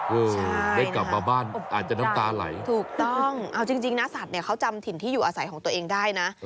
ได้กลับมาบ้านอาจจะน้ำตาไหลถูกต้องเอาจริงนะสัตว์เนี่ยเขาจำถิ่นที่อยู่อาศัยของตัวเองได้นะ